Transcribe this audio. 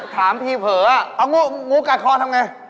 ถามทีเผลอเอางูกัดคอทำไง